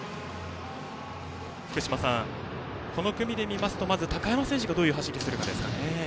福島さん、この組で見るとまず高山選手がどういう走りをするかですね。